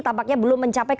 tampaknya belum mencapai